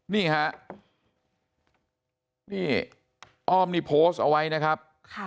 นี่ฮะนี่อ้อมนี่โพสต์เอาไว้นะครับ